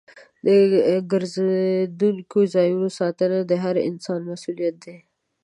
د ګرځندوی ځایونو ساتنه د هر انسان مسؤلیت دی.